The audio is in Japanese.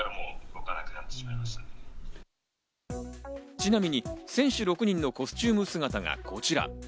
ちなみに選手６人のコスチューム姿がこちら。